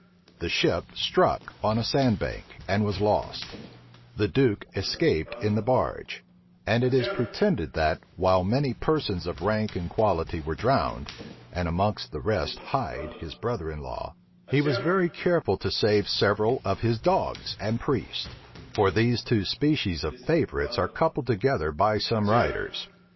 The ship struck on a sand bank, and was lost: the duke escaped in the barge; and it is pretended that, while many persons of rank and quality were drowned, and among the rest Hyde, his brother in law, he was very careful to save several of his dogs and priests; for these two species of favorites are coupled together by some writers.